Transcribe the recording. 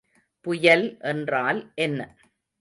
புயல் என்றால் என்ன?